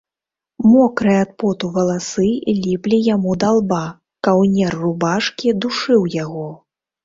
Мокрыя ад поту валасы ліплі яму да лба, каўнер рубашкі душыў яго.